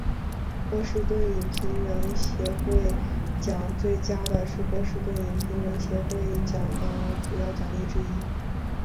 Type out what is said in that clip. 波士顿影评人协会奖最佳是波士顿影评人协会奖的主要奖项之一。